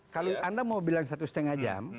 kalau anda mau bilang satu setengah jam